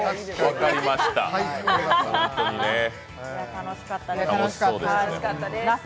楽しかったですよ。